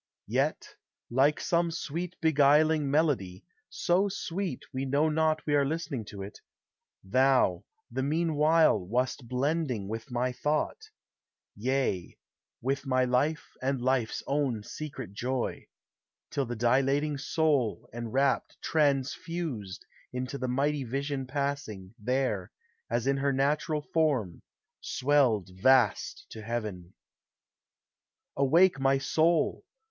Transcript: Yet. like some sweet beguiling melody, So sweet we know not we are listening to it, Thou, the mean while, wast blending with my thought, —■ Yea, with my life and life's own secret joy, — Till the dilating soul, enrapt, transfused, Into the mighty vision passing, there, As in her natural form, swelled vast to Heaven ! Awake, my soul